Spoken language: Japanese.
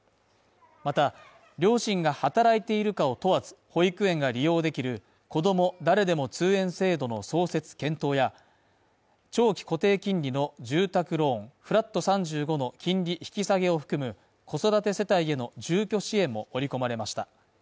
また、両親が働いているかを問わず、保育園が利用できるこども誰でも通園制度の創設検討や、長期固定金利の住宅ローンフラット３５の金利引き下げを含む子育て世帯への住居支援も盛り込まれました。